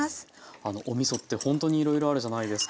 あのおみそってほんとにいろいろあるじゃないですか。